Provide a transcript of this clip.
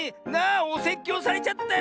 おせっきょうされちゃったよ